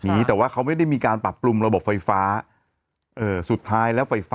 หรือจำแสงรวมเหลือ